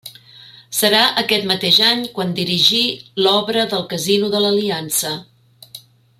Serà aquest mateix any quan dirigí l'obra del Casino de l'Aliança.